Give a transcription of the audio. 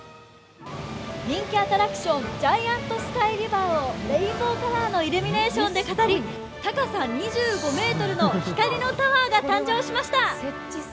人気アトラクション、ジャイアントスカイリバーをレインボーカラーのイルミネーションで飾り高さ２５ｍの光のタワーが誕生しました。